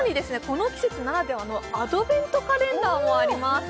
この季節ならではのアドベントカレンダーもあります